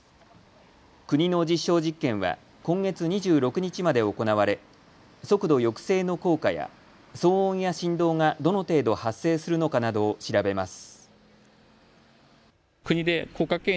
国の実証実験は今月２６日まで行われ速度抑制の効果や騒音や振動がどの程度発生するのかなどを調べます。